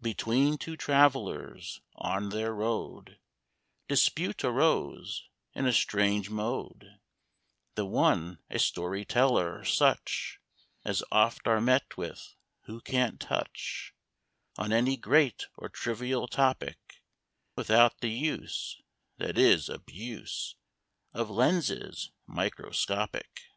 Between two Travellers, on their road, Dispute arose, in a strange mode: The one a story teller, such As oft are met with, who can't touch On any great or trivial topic, Without the use that is, abuse Of lenses microscopic.